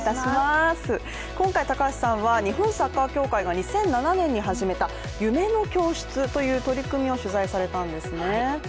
今回高橋さんは、日本サッカー協会が２００７年に始めた夢の教室という取り組みを取材されたんですね